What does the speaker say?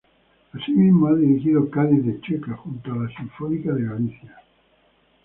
Así mismo, ha dirigido Cádiz de Chueca junto a la Sinfónica de Galicia.